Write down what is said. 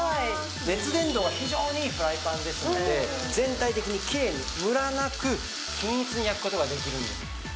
熱伝導が非常にいいフライパンですので全体的にきれいにムラなく均一に焼く事ができるんです。